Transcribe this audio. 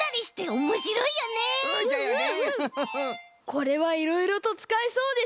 これはいろいろとつかえそうですね。